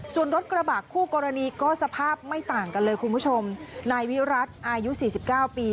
ส่วนรถกระบะคู่กรณีก็สภาพไม่ต่างกันเลยคุณผู้ชมนายวิรัติอายุสี่สิบเก้าปี